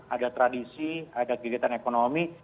ada tradisi ada kegiatan ekonomi